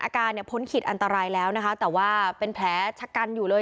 อาการเนี่ยพ้นขีดอันตรายแล้วนะคะแต่ว่าเป็นแผลชะกันอยู่เลย